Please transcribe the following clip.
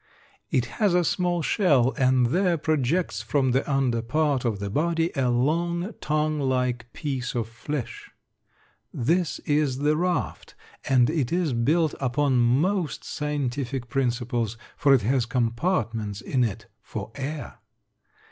It has a small shell and there projects from the under part of the body a long, tongue like piece of flesh. This is the raft, and it is built upon most scientific principles, for it has compartments in it for air.